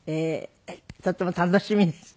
とっても楽しみです。